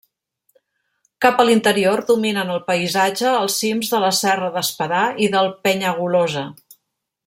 Cap a l'interior dominen el paisatge els cims de la serra d'Espadà i del Penyagolosa.